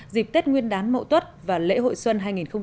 dịp tết nguyên đán mậu tuất và lễ hội xuân hai nghìn một mươi tám